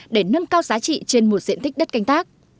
để nâng cao giá trị trên một diện tích đất canh tác